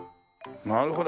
なるほど。